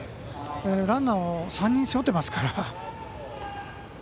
ランナーを３人そろってますから。